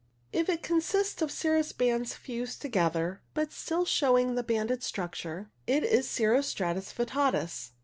If it consists of cirrus bands fused together, but still showing the banded structure, it is cirro stratus vittatus.